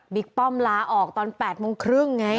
ป้อมลาออกตอน๘โมงครึ่งไง